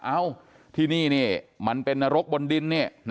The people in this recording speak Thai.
เอ้าที่นี่มันเป็นนรกบนดินนี่